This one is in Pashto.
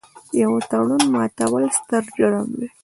د یوه تړون ماتول ستر جرم دی.